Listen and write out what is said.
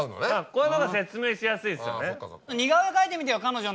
こういうのが説明しやすいですね。